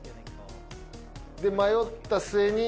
迷った末に。